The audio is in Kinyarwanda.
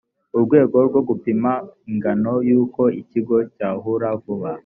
urwego rwo gupima ingano y’uko ikigo cyahura vuba